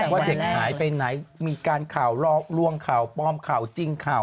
ว่าเด็กหายไปไหนมีการข่าวลวงข่าวปลอมข่าวจริงข่าว